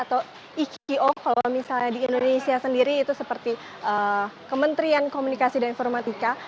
atau iko kalau misalnya di indonesia sendiri itu seperti kementerian komunikasi dan informatika